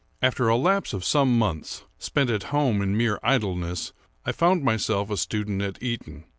After a lapse of some months, spent at home in mere idleness, I found myself a student at Eton.